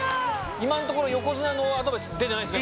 今のところ横綱のアドバイス出てないですね。